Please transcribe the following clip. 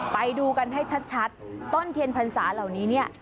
ไปดูกันให้ชัดต้นเทียนพรรษาเหล่านี้เนี่ย